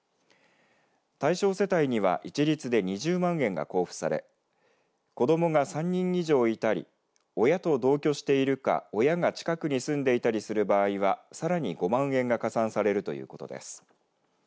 対象世帯には一律で２０万円が交付され子どもが３人以上いたり親と同居しているか、親が近くに住んでいたりする場合はさらに５万円が加算されるということです。